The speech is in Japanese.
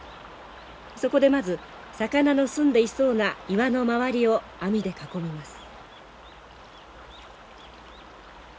そこでまず魚のすんでいそうな岩の周りを網で囲みます。